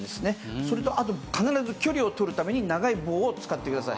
それとあと必ず距離をとるために長い棒を使ってください。